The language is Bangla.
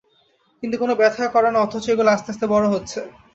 কিন্তু কোনো ব্যথা করে না অথচ এগুলো আস্তে আস্তে বড় হচ্ছে।